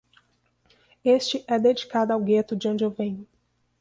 Este é dedicado ao gueto de onde eu venho.